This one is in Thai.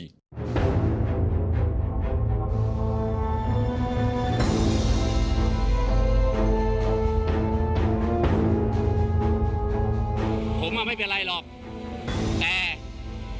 สนุนโดยโอลี่คัมรี่ในแบบที่เป็นคุณโอลี่คัมรี่